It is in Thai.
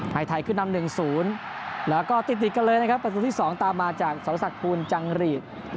ไทยขึ้นนำ๑๐แล้วก็ติดกันเลยนะครับประตูที่๒ตามมาจากสรษักภูลจังหรีด